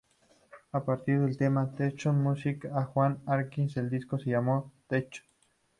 A partir del tema "Techno Music" de Juan Atkins, el disco se llamó "Techno!